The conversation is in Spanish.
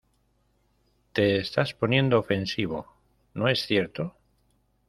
Te estas poniendo ofensivo, ¿ no es cierto?